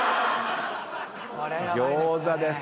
餃子です。